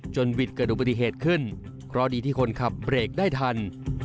หวิดเกิดอุบัติเหตุขึ้นเพราะดีที่คนขับเบรกได้ทัน